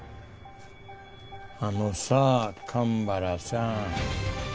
あのさあ神原さん。